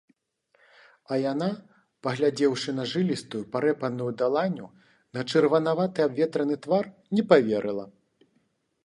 А яна, паглядзеўшы на жылістую, парэпаную даланю, на чырванаваты абветраны твар - не паверыла.